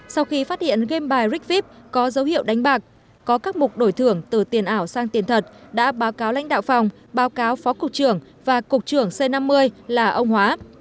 sau khi phát hiện game bài rigvip có dấu hiệu đánh bạc có các mục đổi thưởng từ tiền ảo sang tiền thật đã báo cáo lãnh đạo phòng báo cáo phó cục trưởng và cục trưởng c năm mươi là ông hóa